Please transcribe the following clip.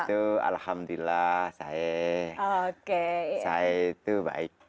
itu alhamdulillah saya itu baik